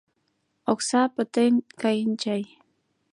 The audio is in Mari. Окса пытен каен чай.